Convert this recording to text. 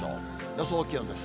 予想気温です。